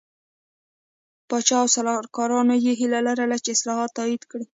پاچا او سلاکارانو یې هیله لرله چې اصلاحات تایید کړي.